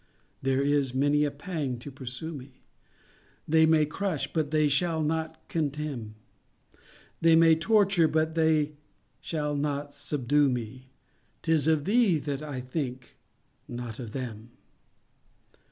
There is many a pang to pursue me: They may crush, but they shall not contemn— They may torture, but shall not subdue me— 'Tis of _thee _that I think—not of them.